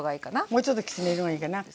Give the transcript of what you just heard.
もうちょっときつね色がいいかな。